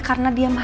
karena dia malu